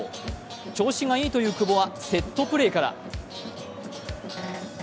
調子がいいという久保はセットプレーから。